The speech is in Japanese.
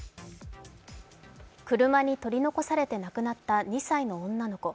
車に取り残されて亡くなった２歳の女の子。